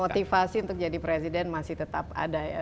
motivasi untuk jadi presiden masih tetap ada ya